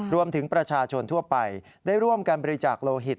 รวมถึงประชาชนทั่วไปได้ร่วมการบริจาคโลหิต